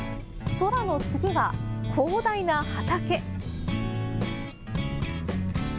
空の次は広大な畑。